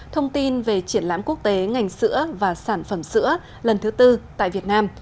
thông tin về triển lãm quốc tế ngành sữa và sản phẩm sữa lần thứ tư tại việt nam